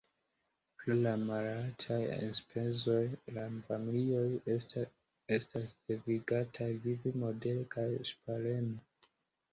Pro la malaltaj enspezoj, la familioj estas devigataj vivi modere kaj ŝpareme.